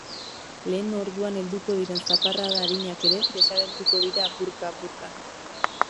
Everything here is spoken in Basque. Lehen orduan helduko diren zaparrada arinak ere desagertuko dira apurka-apurka.